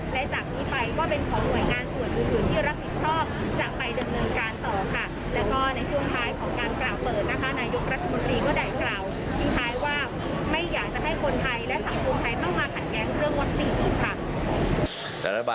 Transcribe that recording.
และจากนี้ไปก็เป็นของหน่วยงานส่วนสูงสูงที่รับผิดชอบ